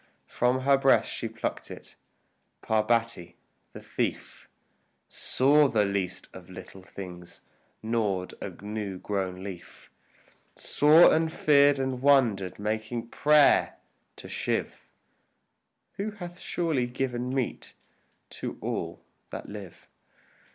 From her breast she plucked it, Parbati the thief, Saw the Least of Little Things gnawed a new grown leaf! Saw and feared and wondered, making prayer to Shiv, Who hath surely given meat to all that live.